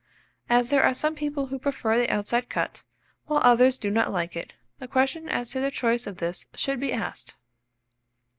As there are some people who prefer the outside cut, while others do not like it, the question as to their choice of this should be asked.